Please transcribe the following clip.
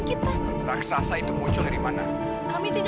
aku akan mengambil alat gadis kamu ini